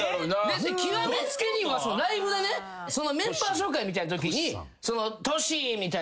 極め付きにはライブでねメンバー紹介みたいなときにＴＯＳＨＩみたいな。